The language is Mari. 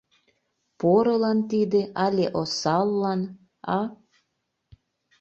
Порылан тиде але осаллан, а?